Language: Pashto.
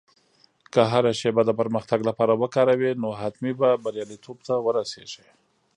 که هره شېبه د پرمختګ لپاره وکاروې، نو حتمي به بریالیتوب ته ورسېږې.